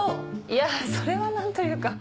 いやそれは何というか。